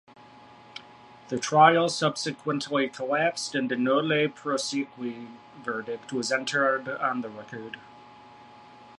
The trial subsequently collapsed, and a "nolle prosequi" verdict was entered on the record.